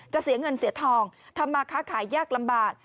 เสียเงินเสียทองทำมาค้าขายยากลำบาก